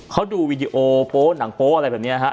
เขาดูวีดีโอโป๊หนังโป๊อะไรแบบนี้ฮะ